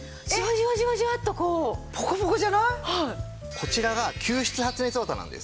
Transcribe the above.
こちらが吸湿発熱綿なんです。